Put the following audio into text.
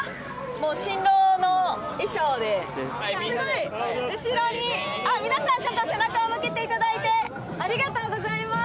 もうみんなですごい後ろにあっ皆さんちょっと背中を向けていただいてありがとうございます